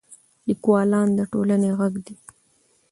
لیکوالان د ټولنې ږغ دي.